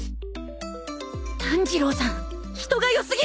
炭治郎さん人が良すぎる！